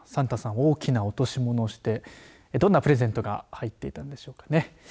大きな落とし物をしてどんなプレゼントが入っていたんでしょうね。